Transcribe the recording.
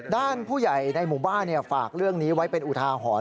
ด้านผู้ใหญ่ในหมู่บ้านฝากเรื่องนี้ไว้เป็นอุทาหรณ์